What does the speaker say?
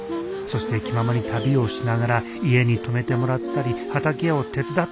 そして気ままに旅をしながら家に泊めてもらったり畑を手伝ったりしよう。